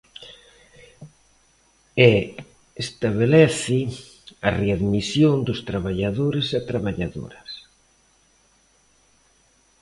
E estabelece a readmisión dos traballadores e traballadoras.